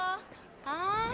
はい。